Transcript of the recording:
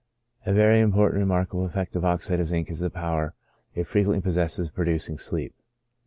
A very important and remarkable effect of oxide of zinc is the power it frequently possesses of producing sleep.